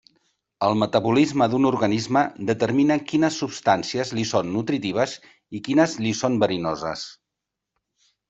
El metabolisme d'un organisme determina quines substàncies li són nutritives i quines li són verinoses.